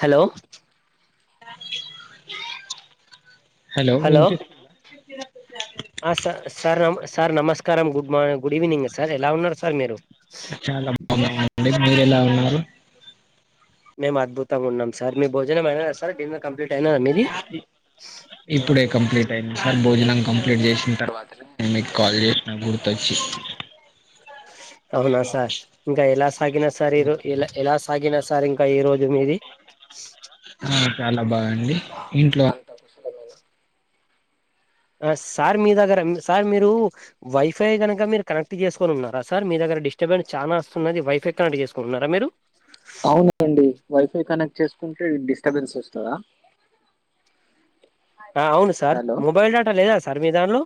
Hello ఆ [inaudible] hello వినిపి ఆ సార్ సార్ నమస్కారం గుడ్ మా గుడ్ ఈవినింగ్ సార్ ఎలా ఉన్నారు సార్ మీరు చాలా బాగున్నామండి [inaudible] మేము అద్భుతంగా ఉన్నాం సార్ మీ భోజనమైనదా సార్ డిన్నర్ కంప్లీట్ ఐనదా మీది ఇప్పుడే కంప్లీట్ అయింది సార్ భోజనం కంప్లీట్ చేసిన తర్వాత నేను మీకు కాల్ చేసిన గుర్తొచ్చి అ [inaudible] అవునా సార్ ఇంకా ఎలా సాగిన సార్ ఇ ఎలా ఎలా సాగినది సార్ ఇంకా ఈ రోజు మీది ఆ చాలా బాగుండి ఇంట్లో అంతా కుసలమేనా సార్ మీ దగ్గర సార్ మీరు వైఫై గనుక మీరు కనెక్ట్ చేసుకొని ఉన్నారా సార్ మీ దగ్గర డిస్టర్బెన్స్ చాలా వస్తున్నది వైఫై కనెక్ట్ చేసుకున్నారా మీరు అవునండి వైఫై కనెక్ట్ చేసుకుంటే డిస్టబెన్స్ వస్తదా అవును సార్ హలో మొబైల్ డేటా లేదా సార్ మీ దానిలో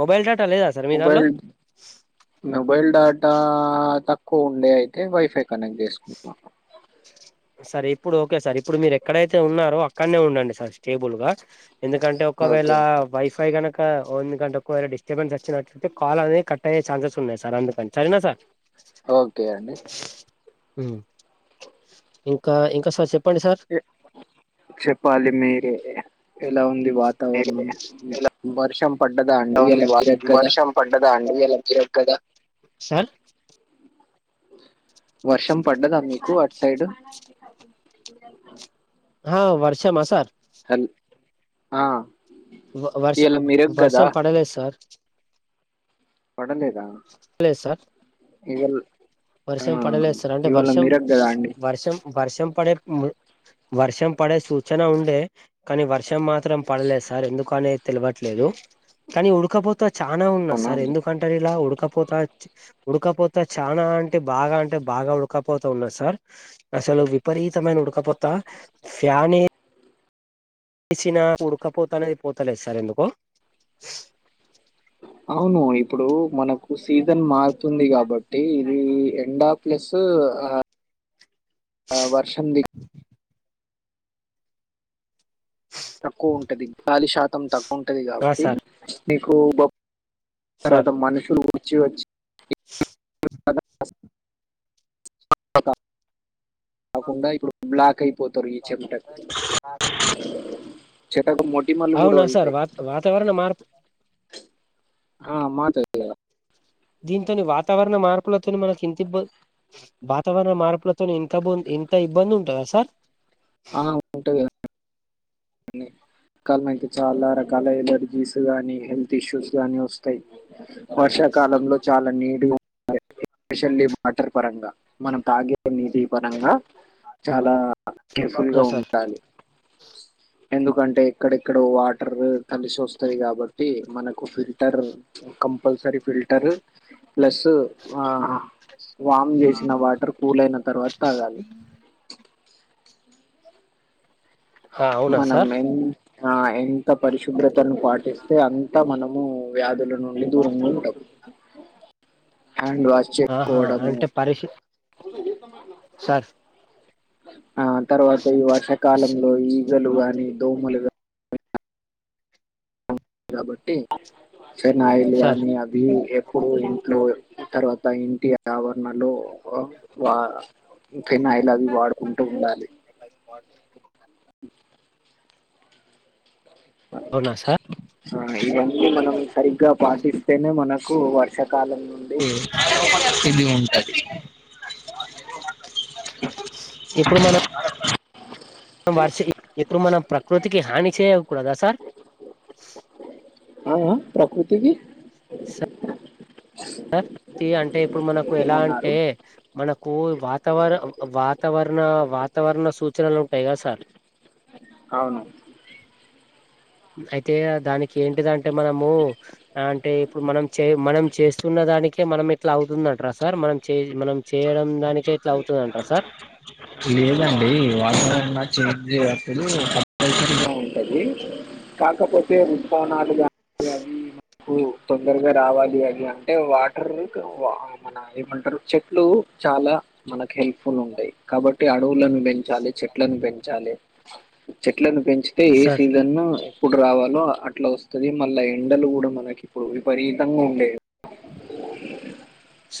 మొబైల్ డేటా లేదా సార్ మీ దానిలో మొబైల్ మొబైల్ డాటా తక్కువ ఉండే అయితే వైఫై కనెక్ట్ జేసుకున్న సర్ ఇప్పుడు ఓకే సార్ ఇప్పుడు మీరు ఎక్కడైతే ఉన్నారో అక్కడనే ఉండండి సార్ స్టేబుల్ గా ఎందుకంటే ఒకవేళ ఓకే వైఫై గనక ఎందుకంటే ఒకవేళ డిస్టబెన్స్ వచ్చినట్లైతే కాల్ అనేది కట్ అయ్యే ఛాన్సెస్ ఉన్నాయి సార్ అందుకని సరెనా సార్ ఓకే అండి మ్ ఇంకా ఇంకా సార్ చెప్ చెప్పాలి మీరే ఎలా ఉంది వాతావరణం వర్షం పడ్డదా అండి ఇయాల జిరగ్ గదా అ వర్షం పడ్డదా మీకు అట్ సైడ్ హ వర్షమా సార్ హల్ ఆ వ వర్ష ఇవాళ మిరగ్ కదా వర్షం పడలే సార్ పడలేదా లేదు సార్ ఇవాళ ఆ వర్షం పడలేసార్ అంటే ఇవాళ వర్షం మిరగ్ కదా అండి వర్షం వర్షం పడే మ్ వర్షం పడే సూచన ఉండే కానీ వర్షం మాత్రం పళ్ళే సర్ ఎందుకనేది తెలవట్లేదు కానీ ఉడుకపో చాన ఉన్నాద్ అవునా సార్ అండి. ఎందుకంటారు ఇలా ఉడ్ ఉడుకపోతా ఉడుకపోతా చనా అంటే బాగా అంటే బాగా ఉడుకపోత ఉన్నాది సార్ అసలు విపరీతమైన ఉడుకపోతా ఫ్యాన్ ఎ సినా ఉడుకపోత అనేది పోతలేదు సార్ ఎందుకో అవును ఇప్పుడు మనకు సీజన్ మారుతుంది కాబట్టి ఇది ఎండా ప్లస్ అ అ వర్షం ది తక్కువ ఉంటది గాలి శాతం తక్కువ ఉంటది ఆ కాబట్టి సార్ నీకు బ్ సార్ తర్వాత మనషూలు గుర్చి వచ్చే అద కాకుండా ఇప్పుడు బ్లాక్ అయి పోతరు ఈ చెమటకు చెటకు మొటిమలు కూడా అవునా సార్ అయితాయి వాత వాతావరణ మార్పు అ మా దగ్గర దీంతోని వాతావరణ మార్పులతో మనకిింతిబ్బం వాతవరణ మార్పులతోన్ ఇంతబోన్ ఇంత ఇబ్బంది ఉంటదా సార్ ఆ ఉంటది కాలనికి చాలా రకాల ఎలర్జీస్ గానీ హెల్త్ ఇష్యూస్ గానీ వస్తాయి వర్ష వర్షాకాలంలో చాలా నీటిగ్ స్పెషల్లీ వాటర్ పరంగా మనం తాగే నీటి పరంగా చాలా కేర్ఫుల్ ఆ గా సార్ ఉండాలి ఎందుకంటే ఇక్కడెక్కడో వాటర్ కలిసోస్తది కాబట్టి మనకు ఫిల్టర్ ఒక కంపల్సరి ఫిల్టర్ ప్లస్ ఆ వామ్ చేసిన వాటర్ కూల్ అయిన తర్వాత తాగాలి ఆ అవునా మనం సార్ ఎంత్ అ ఎంత పరిశుభ్రతను పాటిస్తే అంత మనం ము వ్యాధుల నుడి దూరంలో ఉంటం హ్యాండ్ వాష్ ఆహా చేసుకోవడము అంటే పరిష సార్ ఆ తర్వాత ఈ వర్షాకాలంలో ఈగలు గాని దోమలుగా కాబట్టి ఫన్యిల్ణ సార్ [unintelligible] అభ [unintelligible] ఇంట్లో తర్వాత ఇంటి ఆవరణలో వా. [unintelligible] ఫనా ఇలా అవి వాడుకుంటూ ఉండాలి అవునా సార్ ఆ ఇవన్నీ మనం సరిగ్గా పాటిస్తేనే మనకు వర్షాకాలం నుండి ఇది ఉంటది ఇప్పుడు మనం వర్ష ఇప్పుడు మనం ప్రకృతికి హాని చేయకూడదా సార్ ఆ ప్రకృతికి సర్ తి అంటే ఇప్పుడు మనకు ఎలా ఏమన్నారు అంటే మనకు వాతావరణ వాతావరణ ణ వాతావరణ సూచనలు ఉంటాయి కద సార్ అవును అయితే దానికి ఏంటిదంటే మనము అంటే ఇప్పుడు మనం చే మనం చేస్త న్న దానికే మనం ఇట్లా అవుతుందంట్రా సార్ మనం మనం చేయడం. దానికే ఇట్లా అవుతుందంటారా సార్ లేదండి వాతావరణం చేంజ్ అద అసలు [unintelligible] ఉంటది కాకపోతే ఉప్పనాలుగా అ [inaudible] ఉం తొందరగా రావాలి అది అంటే వాటర్ మన ఏమంటారు చెట్లు చాలా మనకు హెల్ప్ఫుల్ ఉంటాయి కాబట్టి అడవులను పెంచాలి చెట్లను పెంచాలి చెట్లను పెంచితే ఏ సార్ సీజన్ను ఎప్పుడు రావాలో అట్లా వస్తుది మళ్ళ ఎండలు కూడా మనకి ఇప్పుడు విపరీతంగా ఉండేవి.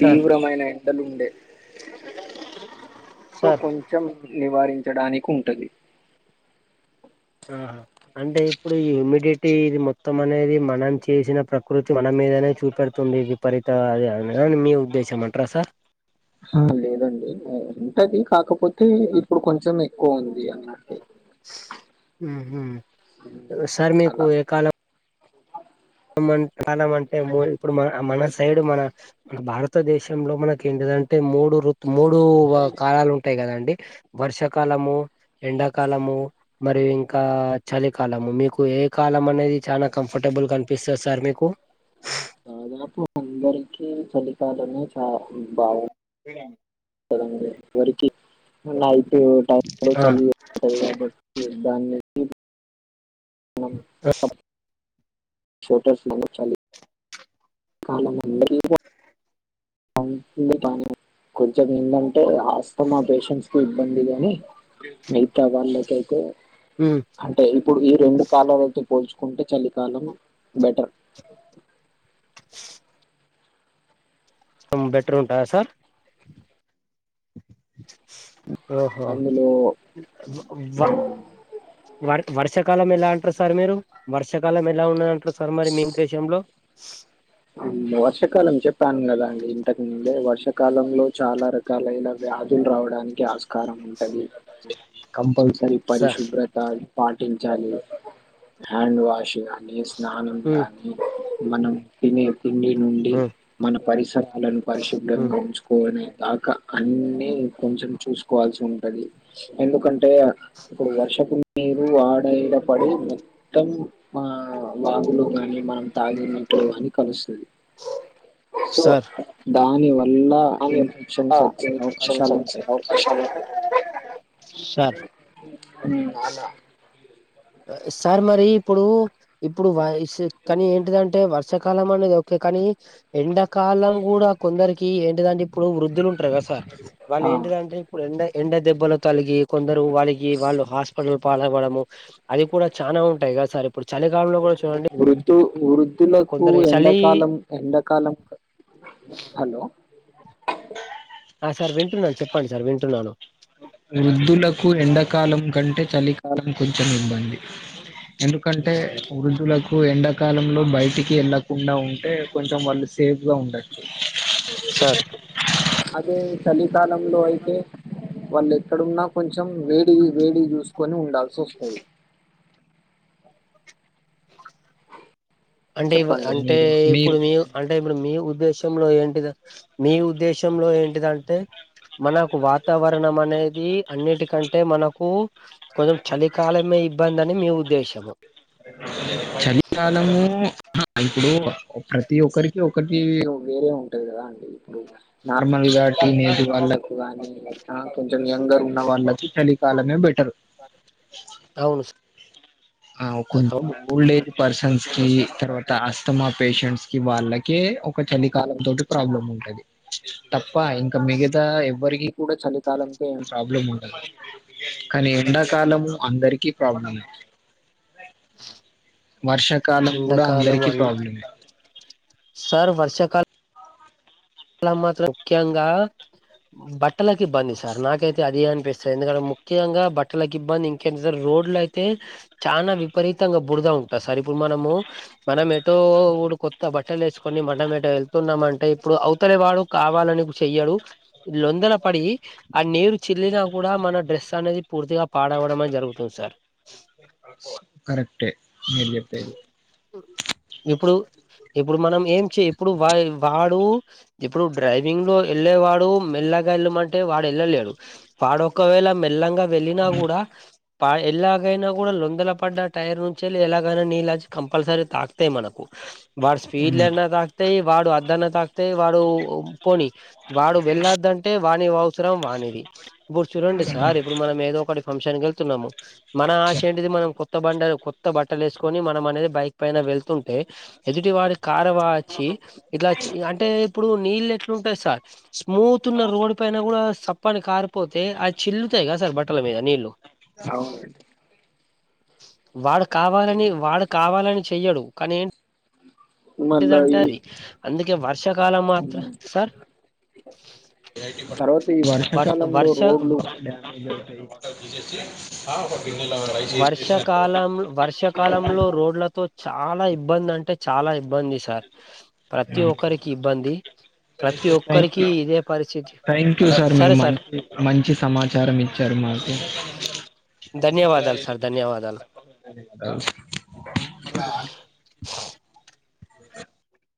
సార్ ఎండలు ఉండే. సో సార్ కొంచెం నివారించడానికి ఉంటది. ఆహా అంటే ఇప్పుడు ఈ హ్యూమిడిటీ ఇది మొత్తం అనేది మనం చేసిన ప్రకృతి మనం మీదనే చూపెడుతుంది ఇది ఫరిత అది అని మీ ఉద్దేశం అంటరా సార్ హా లేదండి ఉంటది కాకపోతే ఇప్పుడు కొంచెం ఎక్కువ ఉంది అన్నట్టు హు హమ్ సార్ మీకు ఏ కాలం అ కాలం అంటే ఇప్పుడు మన మన సైడ్ మన మన భారత త దేశంలో మనకి ఏంటదంటే మూడు రుత్ మూడు ఏ కాలాలు ఉంటాయి కదండి వర్షా కాలము ఎండా కాలము మరి ఇంకా చలి కాలము మీకు ఏ కాలం అనేది చాలా కంఫర్టబుల్ గా కనిపిస్తది సార్ మీకు దాదాపు అందరికీ చలికాలమే చా బాగు సడడి [inaudible] ఎవరికిన్నాైతే [unintelligible] టై ఆ చబట్టి బా [inaudible] ఎస్ ోట స్ [unintelligible] మన చాల కాల [unintelligible] కొంచెం ఎందంటే ఆస్తమా పేషంట్స్ కి ఇబ్బంది గాని మిగతా వాళ్ళకైతే అంటే ఇప్పుడు ఈ రెండు కాలాల అయితే పోల్చుకుంటే చలి కాలం బెటర్ ఆ బెటర్ ఉంటదా సార్ ఓహో అందులో వా వ వర్ష కాలం ఎలా అంటారు సార్ మీరు వర్షాకాలం ఎలా ఉన్న అంటారు సార్ మరి మీ ఉద్దేశంలో అంటే వర్షకాలం చెప్పాను కదా ఇంతకు ముందే వర్ష కాలంలో చాలా రకాలైన వ్యాధులు రావడానికి ఆస్కారం ఉంటది కంపల్సరీ సార్ పరిశుభ్రత పాటించాలి హ్యాండ్ వాషింగ్ అని స్నానం ఉమ్ గానీ మనం తినే తిండి నుండి ఉమ్ మన పరిసరాలను ఉమ్ పరిశుభ్రంగా ఉంచుకోనే దాకా అన్నీ కొంచెం చూసు కోవాల్సి ఉంటది ఎందుకంటే ఇప్పుడు వర్షపు నీరు ఆడే ఇంక పడి కానీ ఫుల్ వాగులు గానీ మనం తాగినట్లు అనీ కలుస్తది సో సార్ దా ఇంకా అని ఇన్ఫెక్షన్స్ వచ్చిన ఇన్ఫెక్షన్స్ అవకాశాలు వచ్చే ఉంటాయి [inaudible] అవకాశాలు సార్ సార్ మరి ఇప్పుడు ఇప్పుడు [inaudible] కానీ ఏంటిదంటే చ్చకాలం అనేది ఓకే కానీ ఎండకాలం కూడా కొందరికి ఏంటిదంటే ఇప్పుడు వృద్ధులు ఉం టార్ కదా సార్ వాళ్ళు ఆ ఏంటిదంటే ఇప్పుడు ఎండ ఎండ దెబ్బలు తలిగి కొందరు వాళ్ళకి వాళ్ళు హాస్పిటల్ కి పాలవడము అది కూడా చాలా ఉంటాయి కదా సార్ ఇప్పుడు చలికాలంలో కూడా చూడండి వృద్ధు వృద్ధులకు కొందరు చలి ఎండాకాలం ఎండాకాలం హలో ఆ సార్ వింటున్నాను చెప్పండి సార్ వింటున్నాను వృద్ధులకు ఎండాకాలం కంటే చలికాలం కొంచెం ఇబ్బంది ఎందుకంటే వృద్ధులకు ఎండాకాలంలో బయటికి వెళ్ళకుండా ఉంటే కొంచెం వాళ్ళు సేఫ్ గా ఉండచ్చు సార్ అదే చలికాలంలో అయితే వాళ్ళు ఎక్కడున్నా కొంచెం వేడి వేడి చూసుకొని ఉండాల్సి వస్తది అంటే ఇ అంటే మీరు ఇప్పుడు మీరు మీ అంటే ఇప్పుడు మీ ఉద్దేశం ంలో ఏంటిది మీ ఉద్దేశంలో ఏంటిదంటే మనకు వాతావరణం అనేది అన్నిటికంటే మనకు కొంచెం చలికాలమే ఇబ్బందని మీ ఉద్దేశ్యము చలికాలము ఇప్పుడు ప్రతి ఒక్కరికి ఒకటి వేరే ఉంటది కదా అండి ఇప్పుడు నార్మల్ గా టీనేజ్ వాళ్ళకు కాని లే కొంచెం ఎంగర్ ఉన్న వాళ్ళకి చలికాలమే బెటర్ అవును ఆ సార్ అవును. కొంచెం ఓల్డ్ అయితే పర్సన్స్ కి తర్వాత అస్తమా పేషెంట్స్ కి వాళ్ళకే ఒక చలికాలం తోటి ప్రాబ్లం ఉం టది తప్ప ఇంకా మిగతా ఎవ్వరికి కూడా చలికాలంతో ఏం ప్రాబ్లం ఉండదు కానీ ఎండాకాలము అందరికీ ప్రాబ్లమే వర్షాకాలం కూడా ఎండాకాలం అందరికీ అన్ ప్రాబ్లమే సార్ వర్షాకాల లం మాత్రం ముఖ్యంగా బట్టలకి ఇబ్బంది సార్ నాకైతే అది అని ఎందుకంటే ముఖ్యంగా బట్టలకు ఇబ్బంది ఇంకేటి సార్ రోడ్లు అయితే చాలా విపరీతంగా బురుద్ ఉంటది సార్ ఇప్పుడు మనము మనం ఎటో కొత్త బట్టలు వేసుకొని మనం ఎటో వెళ్తున్నామంటే ఇప్పుడు అవ్ వాడు కావాలని చెయ్యడు లెండిన పడి ఆ నీరు చెల్లినా కూడా మన డ్రెస్ అనేది పూర్తిగా పాడవడమే జరుగుతుంది సార్ కరెక్టే మీరు చెప్పేది ఆ ఇప్పుడు ఇప్పుడు మనం ఏం చెయ్ ఇప్పుడు వా వాడు ఇప్పుడు డ్రైవింగ్ లో వెళ్లేవాడు మెల్లగా వెళ్ళమంటే వాడు వెళ్ళలేడు వాడొ ఒకవేళ మెల్ మెల్లంగా వెళ్ళిన కూడా ఎల్లాగైనా కూడా లొందల పడ్డ టైరు ఎలాగైనా నీళ్ళచ్చీ కంపల్సరీ తాగు వత్తాయి మనకు వాడు ఉమ్. స్పీడ్లనా తాకుతాయి వాడు అద్దన తాకుతాయి వాడు పోని వాడు వెళ్ళద్దంటే వాని అవసరం వాని ది ఇప్పుడు చూడండి సార్ ఇప్పుడు మనం ఏదో ఒకటి ఫంక్షన్ కి వెళ్తున్నాము మన ఆశా ఎంటిది మనం కొత్త కొత్త బండలు కొత్త బట్టలు వేసుకొని మనం అనేది బైక్ పైన వెళ్తు ఎదుటి వాడి కారు వా వచ్చి ఇట్లా అంటే ఇప్పుడు నీళ్ళు ఎట్లుంటాయి సార్ స్మూత్ ఉన్న రోడ్ పైన కూడా సప్పని కారు పోతే అవి చిల్లుతాయి కదా సార్ బట్టల మీద నీళ్లు అవును అండి వాడు కావాలని వాడు కావాలని చెయ్యడు కానీ ఏం మళ్ళా టే ఈ అది అందుకే వర్షాకాలం మాత్రం సార్ తర్వాత ఈ వర్ వర్షాకాలంలో వర్ష రోడ్లు కూడా డ్యామేజ్ అవుతాయి కాదండి వర్షాకాలం వర్షాకాలంలో రోడ్లతో చాలా ఇబ్బంది అంటే చాలా ఇబ్బంది సార్ ప్రతి ఒక్కరికి ఇబ్బంది ప్రతి థ్యాంక్ ఒక్కరికి యూ ఇదే పరిస్థితి థ్యాంక్ యూ సార్ మీరు మంచి మంచి సమాచారం ఇచ్చారు మాకు ధన్యవాదాలు సార్ ధన్యవాదాలు అదా ఉహుహు